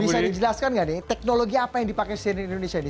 bisa dijelaskan nggak nih teknologi apa yang dipakai cnn indonesia ini